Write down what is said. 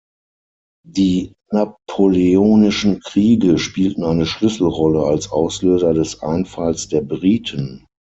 Die Napoleonischen Kriege spielten eine Schlüsselrolle als Auslöser des Einfalls der Briten.